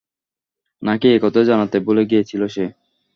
নাকি এ কথা জানাতে ভুলে গিয়েছিল সে?